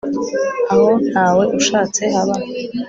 aho ntawe ushatse, haba